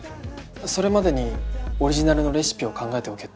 それまでにオリジナルのレシピを考えておけって。